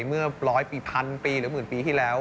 เมื่อ๑๐๐ปีพันปีหรือหมื่นปีที่แล้ว